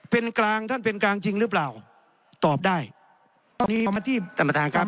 เป็นกลางท่านเป็นกลางจริงหรือเปล่าตอบได้ตอนนี้มาที่ต่ำมาทางครับ